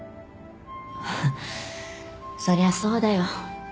そりゃそうだよ。